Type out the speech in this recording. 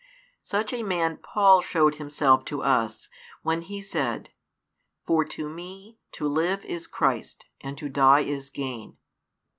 Such a man Paul showed himself to us, when he said, For to me, to live is Christ, and to die is gain.